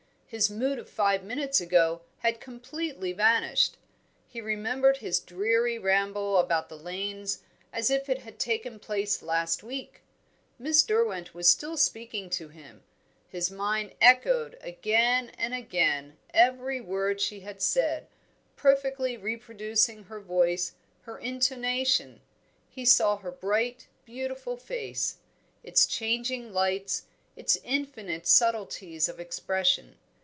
His mood of five minutes ago had completely vanished. He remembered his dreary ramble about the lanes as if it had taken place last week. Miss Derwent was still speaking to him; his mind echoed again and again every word she had said, perfectly reproducing her voice, her intonation; he saw her bright, beautiful face, its changing lights, its infinite subtleties of expression.